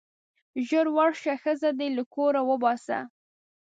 ژر ورشه ښځه دې له کوره وباسه.